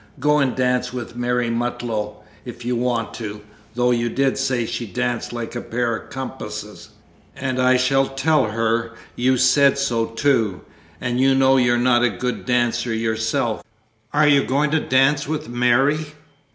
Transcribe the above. Go and dance with Mary Mutlow if you want to, though you did say she danced like a pair of compasses, and I shall tell her you said so, too. And you know you're not a good dancer yourself. Are you going to dance with Mary?"